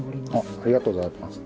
ありがとうございます。